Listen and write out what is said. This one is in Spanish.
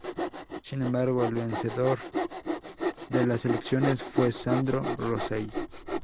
Sin embargo, el vencedor de las elecciones fue Sandro Rosell.